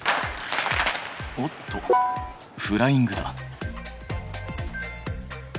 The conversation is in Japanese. おっとフライングだ。